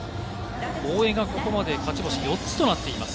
大江がここまで勝ち星４つとなっています。